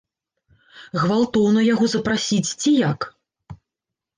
Гвалтоўна яго запрасіць ці як?